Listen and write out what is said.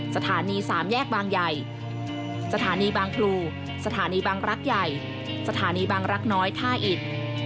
สถานีสามแยกบางใหญ่สถานีบางพลูสถานีบางรักใหญ่สถานีบางรักน้อยท่าอิด